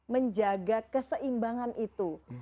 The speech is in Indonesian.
menjaga keseimbangan itu